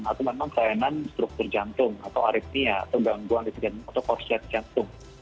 atau memang sayanan struktur jantung atau aritmia atau gangguan di sekitar korslet jantung